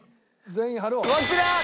こちら！